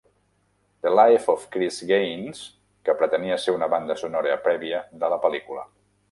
The Life of Chris Gaines, que pretenia ser una "banda sonora prèvia" de la pel·lícula.